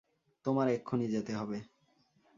তোমায় এক্ষুণি যেতে হবে।